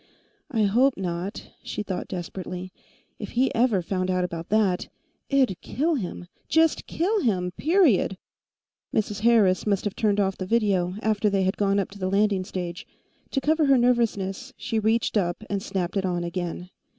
I hope not! she thought desperately. If he ever found out about that, it'd kill him. Just kill him, period! Mrs. Harris must have turned off the video, after they had gone up to the landing stage. To cover her nervousness, she reached up and snapped it on again.